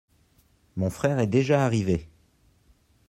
mon frère est déjà arrivé.